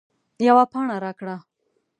یوه پاڼه راکړه